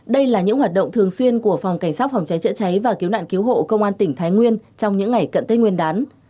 đây là những hoạt động thường xuyên của phòng cảnh sát phòng cháy chữa cháy và cứu nạn cứu hộ công an tỉnh thái nguyên trong những ngày cận tết nguyên đán